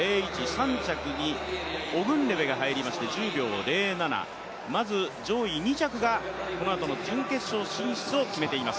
３着にオグンレベが入りまして１０秒０７まず上位２着がこのあとの準決勝進出を決めています。